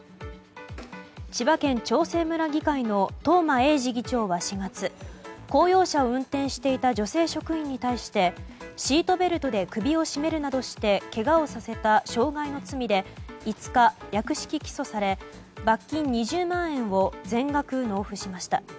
千葉県長生村議会の東間永次議長は４月公用車を運転していた女性職員に対してシートベルトで首を絞めるなどしてけがをさせた傷害の罪で５日、略式起訴され罰金２０万円を全額、納付しました。